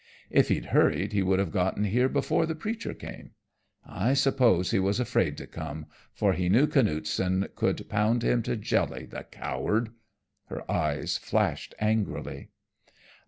If he'd hurried he would have gotten here before the preacher came. I suppose he was afraid to come, for he knew Canuteson could pound him to jelly, the coward!" Her eyes flashed angrily.